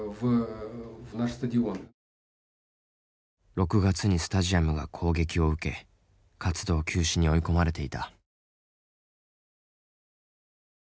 ６月にスタジアムが攻撃を受け活動休止に追い込まれていた。